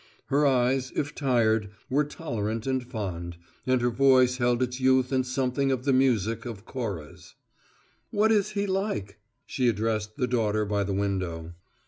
Her eyes, if tired, were tolerant and fond; and her voice held its youth and something of the music of Cora's. "What is he like?" She addressed the daughter by the window.